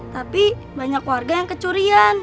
tapi banyak warga yang kecurian